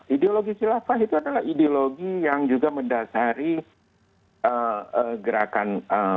ideologi khilafah itu adalah ideologi yang juga mendasari gerakan